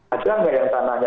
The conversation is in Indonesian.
ada nggak yang tanahnya